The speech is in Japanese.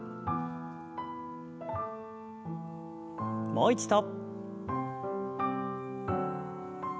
もう一度。